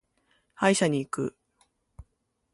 歯医者に行く。